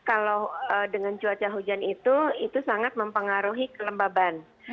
kalau dengan cuaca hujan itu itu sangat mempengaruhi kelembaban